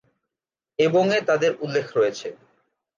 এবং -এ তাদের উল্লেখ রয়েছে।